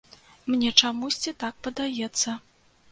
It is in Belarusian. Мне чамусьці так падаецца.